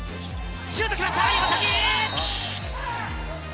シュートきました。